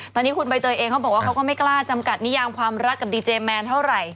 ตอนนี้คุณใบเตยเองเขาบอกว่าเขาก็ไม่กล้าจำกัดนิยามความรักกับดีเจแมนเท่าไหร่